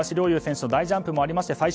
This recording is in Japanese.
侑選手の大ジャンプもありまして